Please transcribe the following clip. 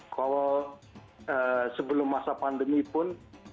kalau sebelum masa pandemi pun